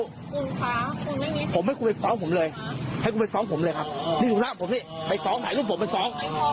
คุณค่ะคุณไม่มีเสียงดังผมให้คุณไปซ้องผมเลยให้คุณไปซ้องผมเลยครับนี่หนูหน้าผมนี่ไปซ้องถ่ายรูปผมไปซ้อง